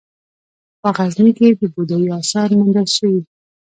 په غزني کې د بودايي اثار موندل شوي